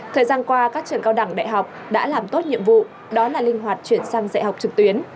thời gian qua các trường cao đẳng đại học đã làm tốt nhiệm vụ đó là linh hoạt chuyển sang dạy học trực tuyến